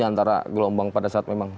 antara gelombang pada saat memang